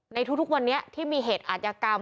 ในทุกวันนี้ที่มีเหตุอาธิกรรม